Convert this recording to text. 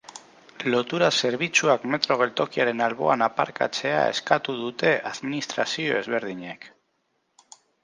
Lotura-zerbitzuak metro geltokiaren alboan aparkatzea eskatu dute administrazio ezberdinek.